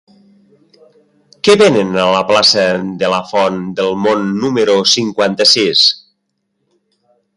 Què venen a la plaça de la Font del Mont número cinquanta-sis?